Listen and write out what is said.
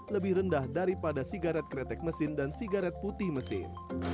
lebih rendah daripada sigaret kretek mesin dan sigaret putih mesin